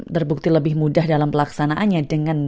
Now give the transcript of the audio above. terbukti lebih mudah dalam pelaksanaannya dengan